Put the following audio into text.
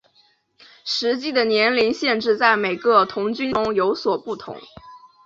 实际的年龄限制在每个童军组织中有所不同。